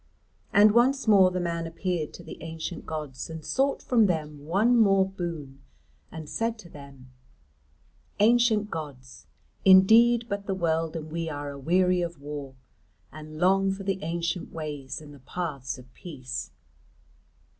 And once more the man appeared to the ancient gods and sought from them one more boon, and said to them: "Ancient gods; indeed but the world and we are a weary of war and long for the ancient ways and the paths of peace."